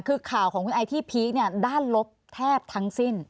คือข่าวของคุณไอพีคด้านลบแทบทั้งสิ้น